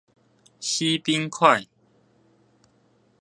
西濱快